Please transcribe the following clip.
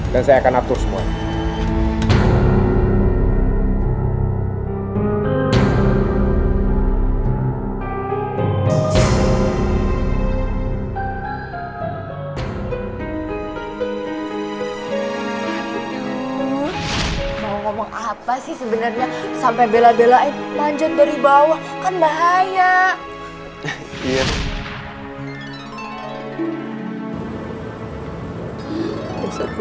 dan saya akan atur semua